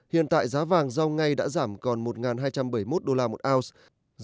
hiện tại giá vàng giao ngay đã giảm còn một hai trăm bảy mươi một usd một ounce